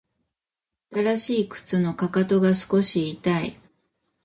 新しい靴のかかとが少し痛い